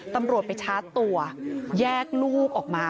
ตำรวจไปชาร์จตัวแยกลูกออกมา